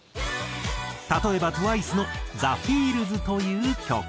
例えばＴＷＩＣＥの『ＴｈｅＦｅｅｌｓ』という曲。